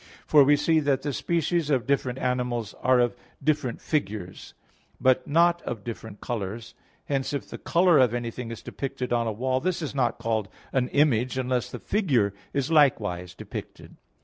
For we see that the species of different animals are of different figures; but not of different colors. Hence if the color of anything is depicted on a wall, this is not called an image unless the figure is likewise depicted.